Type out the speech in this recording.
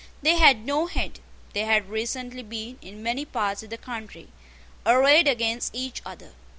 They had no head. They had recently been, in many parts of the country, arrayed against each other.